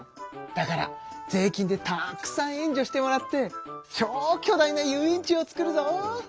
だから税金でたくさん援助してもらって超巨大な遊園地を作るぞ！